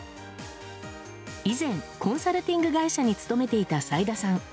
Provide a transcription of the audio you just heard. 以前、コンサルティング会社に勤めていた斉田さん。